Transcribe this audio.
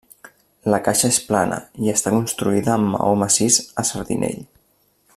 La caixa és plana i està construïda amb maó massís a sardinell.